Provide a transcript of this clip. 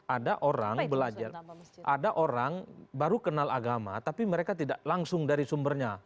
ada orang baru kenal agama tapi mereka tidak langsung dari sumbernya